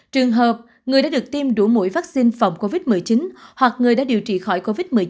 trường hợp người đã được tiêm đủ mũi vaccine phòng covid một mươi chín hoặc người đã điều trị khỏi covid một mươi chín